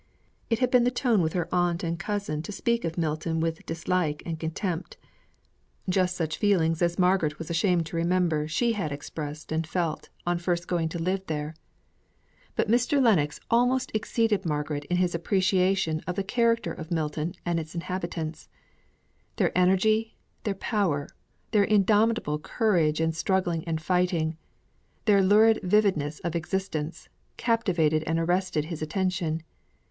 It had been the tone with her aunt and cousin to speak of Milton with dislike and contempt; just such feelings as Margaret was ashamed to remember she had expressed and felt on first going to live there. But Mr. Lennox almost exceeded Margaret in his appreciation of the character of Milton and its inhabitants. Their energy, their power, their indomitable courage in struggling and fighting; their lurid vividness of existence, captivated and arrested his attention.